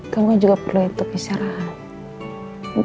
kamu juga perlu hidup bisa rahat